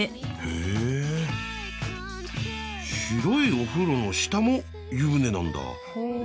へえ白いお風呂の下も湯船なんだ。